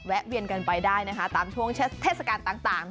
แวนกันไปได้นะคะตามช่วงเทศกาลต่าง